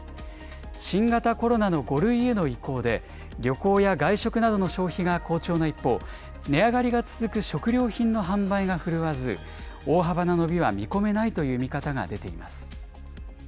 新型コロナの５類への移行で、旅行や外食などの消費が好調な一方、値上がりが続く食料品の販売が振るわず、大幅な伸びは見込めないという見方が出ています。